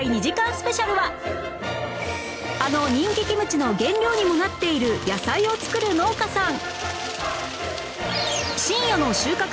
スペシャルはあの人気キムチの原料にもなっている野菜を作る農家さん